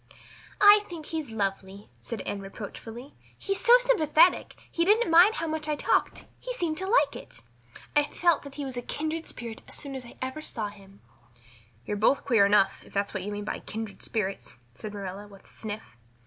"I think he's lovely," said Anne reproachfully. "He is so very sympathetic. He didn't mind how much I talked he seemed to like it. I felt that he was a kindred spirit as soon as ever I saw him." "You're both queer enough, if that's what you mean by kindred spirits," said Marilla with a sniff.